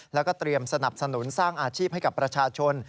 แล้วก็เตรียมสนับสนุนสร้างอาชีพให้กับประชาชน